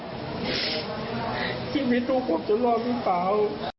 ช่วยมาที่มิดูกว่าจะรอดรึเปล่า